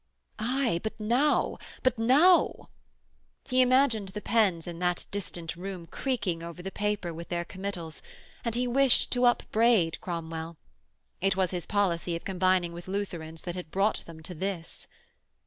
'Ay, but now. But now....' He imagined the pens in that distant room creaking over the paper with their committals, and he wished to upbraid Cromwell. It was his policy of combining with Lutherans that had brought them to this.